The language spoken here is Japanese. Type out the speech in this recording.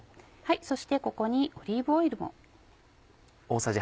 そしてここにオリーブオイルも。